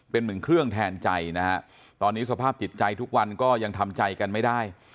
เป็นเหมือนเครื่องแทนใจนะฮะตอนนี้สภาพจิตใจทุกวันก็ยังทำใจกันไม่ได้